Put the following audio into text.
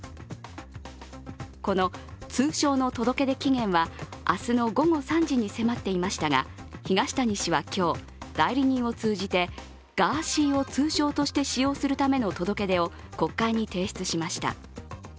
この通称の届け出期限は、明日の午後３時に迫っていましたが、東谷氏は今日、代理人を通じてガーシーを通称として使用するための届け出を国会に提出しました。